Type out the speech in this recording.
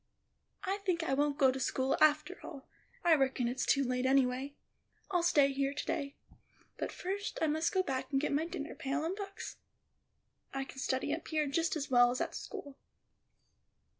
"I think I won't go to school after all. I reckon it's too late, anyway; I'll stay here to day. But first, I must go back and get my dinner pail and books. I can study up here just as well as at school."